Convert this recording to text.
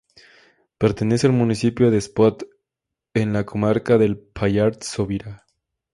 Pertenece al municipio de Espot, en la comarca del Pallars Sobirá.